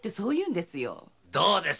どうです